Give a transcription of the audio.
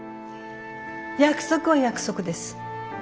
約束は約束です。